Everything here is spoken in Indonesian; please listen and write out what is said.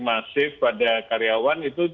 masif pada karyawan itu